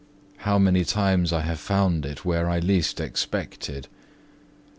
How many times I have found it where I least expected.